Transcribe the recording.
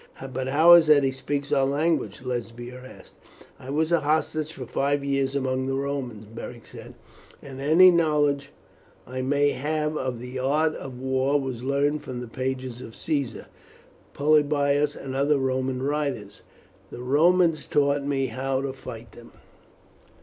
"But how is it that he speaks our language?" Lesbia asked. "I was a hostage for five years among the Romans," Beric said, "and any knowledge I may have of the art of war was learned from the pages of Caesar, Polybius, and other Roman writers. The Romans taught me how to fight them."